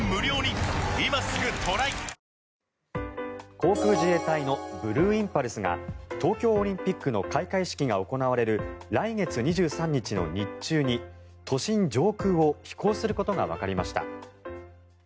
航空自衛隊のブルーインパルスが東京オリンピックの開会式が行われる来月２３日の日中に都心上空を飛行することがわかりました。